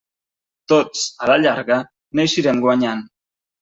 Tots, a la llarga, n'eixirem guanyant.